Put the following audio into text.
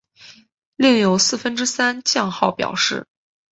另有四分之三降号表示。